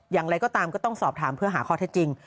อย่างไรก็ตามก็ต้องสอบถามเพื่อหาข้อเท็จจริง